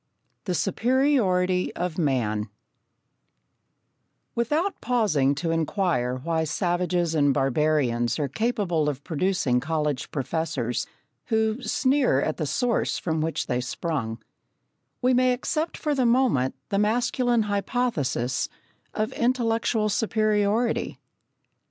The Superiority of Man Without pausing to inquire why savages and barbarians are capable of producing college professors, who sneer at the source from which they sprung, we may accept for the moment the masculine hypothesis of intellectual superiority.